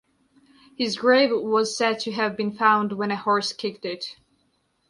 His grave was said to have been found when a horse kicked it.